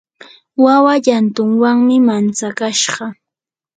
wawa llantunwanmi mantsakashqa.